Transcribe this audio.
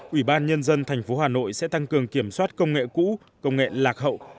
ủy ban nhân dân thành phố hà nội sẽ tăng cường kiểm soát công nghệ cũ công nghệ lạc hậu